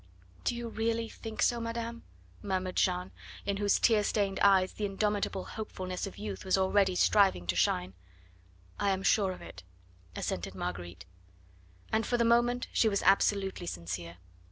"Do you really think so, madame?" murmured Jeanne, in whose tear stained eyes the indomitable hopefulness of youth was already striving to shine. "I am sure of it," assented Marguerite. And for the moment she was absolutely sincere.